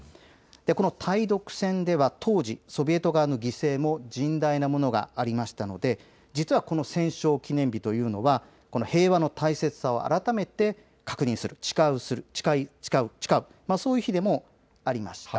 この対独戦では当時、ソビエト側の犠牲も甚大なものがありましたので実はこの戦勝記念日というのは平和の大切さを改めて確認する、誓う、そういう日でもありました。